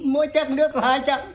mỗi tét nước là hai trăm linh